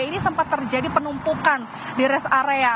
ini sempat terjadi penumpukan di rest area